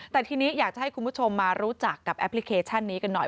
แต่ทีนี้อยากจะให้คุณผู้ชมมารู้จักกับแอปพลิเคชันนี้กันหน่อย